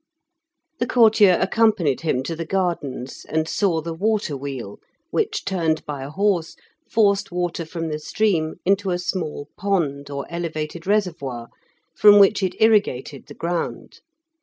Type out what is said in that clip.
The courtier accompanied him to the gardens, and saw the water wheel which, turned by a horse, forced water from the stream into a small pond or elevated reservoir, from which it irrigated the ground.